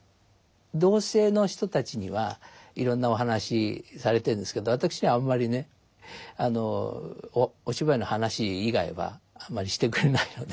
同性の人たちにはいろんなお話されてんですけど私にはあんまりねお芝居の話以外はあまりしてくれないので。